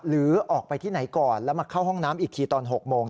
หรือออกไปที่ไหนก่อนแล้วมาเข้าห้องน้ำอีกทีตอน๖โมง